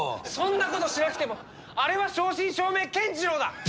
そんなことしなくてもあれは正真正銘ケンジロウだ！